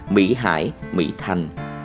mỹ hải mỹ thành